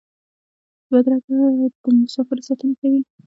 بدرګه د مسافرو ساتنه کوي.